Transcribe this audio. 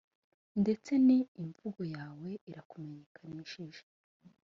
ndetse ni imvugo yawe irakumenyekanishije.